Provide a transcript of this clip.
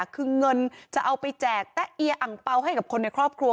คือเงินจะเอาไปแจกแตะเอียอังเปล่าให้กับคนในครอบครัว